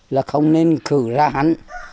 là không nên cử ra hắn